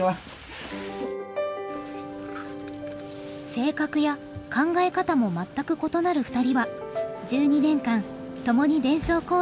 性格や考え方も全く異なる２人は１２年間共に伝承講座で学んできた仲間です。